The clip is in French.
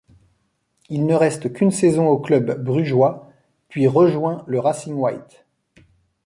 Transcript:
Il ne reste qu'une saison au club brugeois, puis rejoint le Racing White.